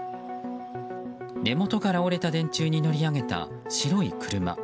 根元から折れた電柱に乗り上げた白い車。